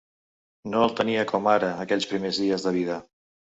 No el tenia com ara aquells primers dies de vida.